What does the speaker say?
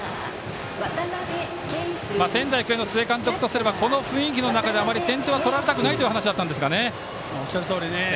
仙台育英の須江監督とすればこの雰囲気の中であまり先手は取られたくないという話だったんですが。